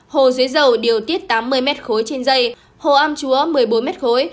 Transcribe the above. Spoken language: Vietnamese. hồ xuế dầu điều tiết tám mươi m khối trên dây hồ am chúa một mươi bốn m khối